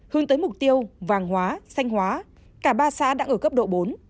hướng tới mục tiêu vàng hóa xanh hóa cả ba xã đang ở cấp độ bốn